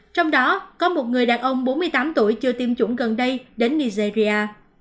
trong đó có một người đàn ông bốn mươi tám tuổi chưa tiêm chủng gần đây đến nigeria